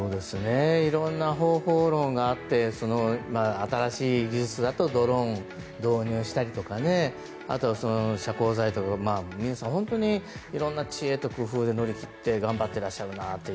いろんな方法があって新しい技術だとドローンを導入したりとかあとは、遮光剤とか皆さん本当にいろんな知恵と工夫で乗り切って頑張っていらっしゃるなと。